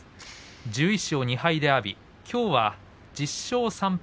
１１勝２敗で阿炎きょうは１０勝３敗